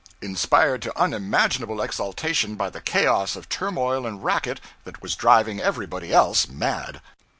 inspired to unimaginable exaltation by the chaos of turmoil and racket that was driving everybody else mad.